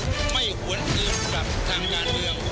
ไม่ควรอีกกับทางยานเดียว